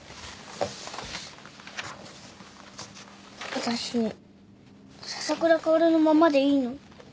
わたし笹倉薫のままでいいの？